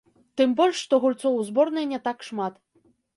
Тым больш, што гульцоў у зборнай не так шмат.